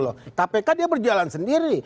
kpk dia berjalan sendiri